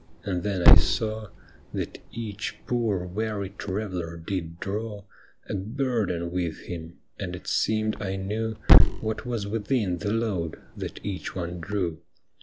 And then I saw That each poor, weary traveller did draw A burden with him, and it seemed I knew What was within the load that each one drew.